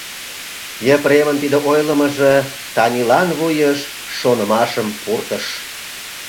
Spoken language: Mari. Епремын тиде ойлымыжо Танилан вуйыш шонымашым пуртыш.